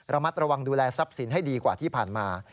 ระมัดระวังดูแลทรัพย์สินให้ดีกว่าที่ผ่านมา